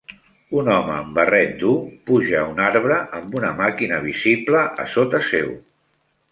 Un home amb barret dur puja a un arbre amb una màquina visible a sota seu.